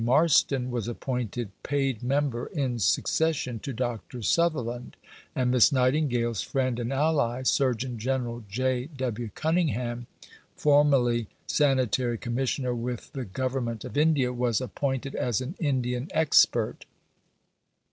Marston was appointed paid member in succession to Dr. Sutherland, and Miss Nightingale's friend and ally, Surgeon General J. W. Cunningham (formerly Sanitary Commissioner with the Government of India) was appointed as an Indian expert.